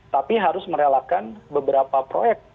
tapi harus merelakan beberapa proyek